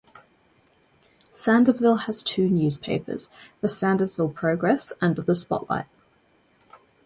Sandersville has two newspapers: "The Sandersville Progress" and "The Spotlight".